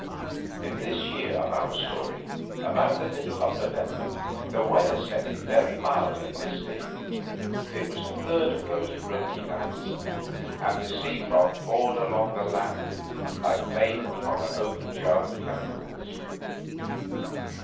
In this year of our story, about the middle of November, the weather set in very mild and misty. It was the third of these "roky" nights, and the sea fog poured along the land like vapour from an opened jar of chemicals.